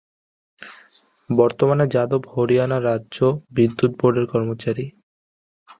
বর্তমানে, যাদব হরিয়ানা রাজ্য বিদ্যুৎ বোর্ডের কর্মচারী।